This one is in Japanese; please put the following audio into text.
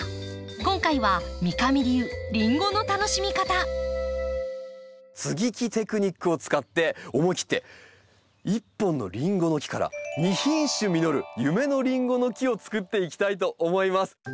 今回は接ぎ木テクニックを使って思い切って１本のリンゴの木から２品種実る夢のリンゴの木をつくっていきたいと思います。